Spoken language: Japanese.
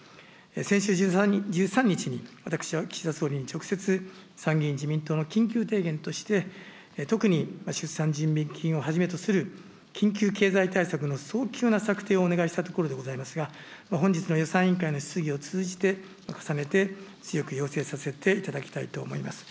先週１３日に、私は岸田総理に直接、参議院自民党の緊急提言として、特に出産準備金をはじめとする緊急経済対策の早急な策定をお願いしたところでございますが、本日の予算委員会の質疑を通じて重ねて強く要請させていただきたいと思います。